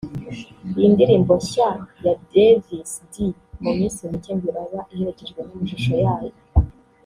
Iyi ndirimbo nshya ya Davis D mu minsi mike ngo iraba iherekejwe n’amashusho yayo